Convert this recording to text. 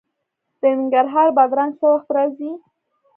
د ننګرهار بادرنګ څه وخت راځي؟